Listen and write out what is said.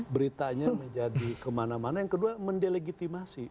beritanya menjadi kemana mana yang kedua mendelegitimasi